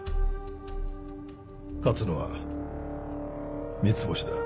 勝つのは三ツ星だ。